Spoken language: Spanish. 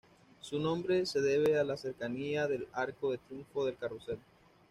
Su nombre se debe a la cercanía del Arco de Triunfo del Carrusel.